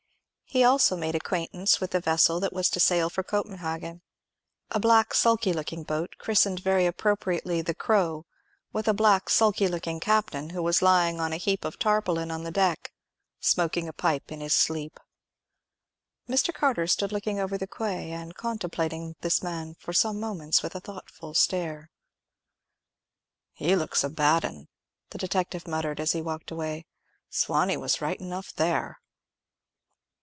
He also made acquaintance with the vessel that was to sail for Copenhagen—a black sulky looking boat, christened very appropriately the Crow, with a black sulky looking captain, who was lying on a heap of tarpaulin on the deck, smoking a pipe in his sleep. Mr. Carter stood looking over the quay and contemplating this man for some moments with a thoughtful stare. "He looks a bad 'un," the detective muttered, as he walked away; "Sawney was right enough there."